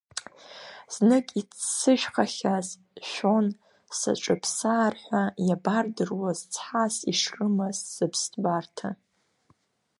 Знык иццышәхахьаз шәон саҿыԥсаар ҳәа, иабардыруаз цҳас ишрымаз сыԥсҭбарҭа.